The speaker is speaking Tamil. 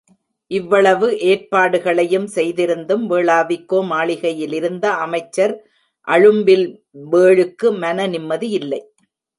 இவ்வளவு ஏற்பாடுகளையும் செய்திருந்தும், வேளாவிக்கோ மாளிகையிலிருந்த அமைச்சர் அழும்பில்வேளுக்கு மன நிம்மதியில்லை.